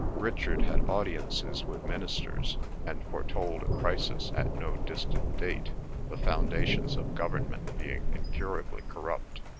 Richard had audiences with ministers, and foretold a crisis at no distant date, "the foundations of government being incurably corrupt.